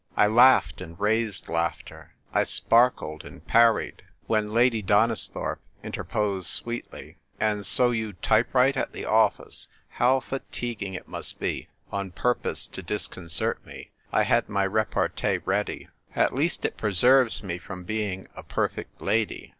I laughed and raised laughter; I ^ sparkled and parried. A DRAWN BATTLE. 1 89 When Lady Donisthorpe interposed sweetly, "And so you type write at the office! How fatiguing it must be !" on purpose to discon cert me, I had my repartee ready :" At least it preserves me from being a perfect lady."